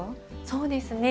そうですね